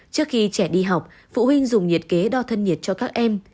trước khi trẻ đi học phụ huynh dùng nhiệt kế đo thân nhiệt cho các em